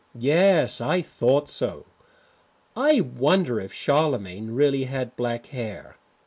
Yes, I thought so. I wonder if Charlemagne really had black hair.